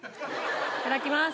いただきます。